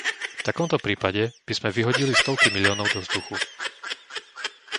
V takomto prípade by sme vyhodili stovky miliónov do vzduchu.